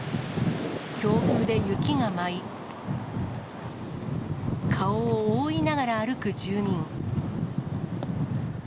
強風で雪が舞い、顔を覆いながら歩く住民。